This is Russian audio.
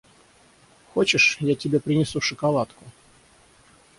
– Хочешь, я тебе принесу шоколадку?